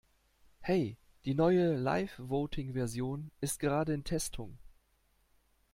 Hey, die neue LiveVoting Version ist gerade in Testung.